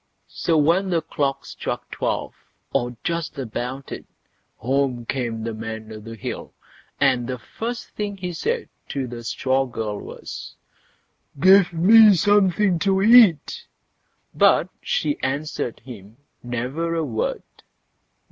So when the clock struck twelve, or just about it, home came the Man o' the Hill, and the first thing he said to the straw girl was, "Give me something to eat." But she answered him never a word.